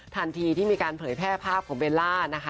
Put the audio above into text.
ทันทีที่มีการเผยแพร่ภาพของเบลล่านะคะ